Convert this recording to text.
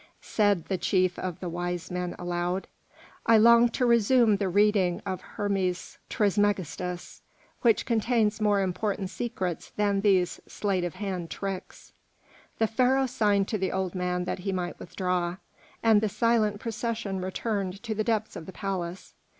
said the chief of the wise men aloud. "I long to resume the reading of Hermes Trismegistus, which contains more important secrets than these sleight of hand tricks." The Pharaoh signed to the old man that he might withdraw, and the silent procession returned to the depths of the palace.